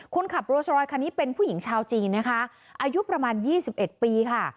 คนขับโรสรอยคันนี้เป็นผู้หญิงชาวจีนนะคะอายุประมาณ๒๑ปีค่ะ